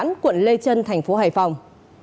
công an quận lê trân tp hải phòng